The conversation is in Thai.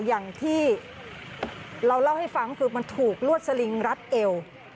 อย่างที่เราเล่าให้ฟังคือมันถูกลวดสลิงรัดเอว